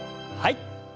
はい。